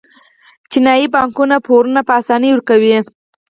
چینايي بانکونه پورونه په اسانۍ ورکوي.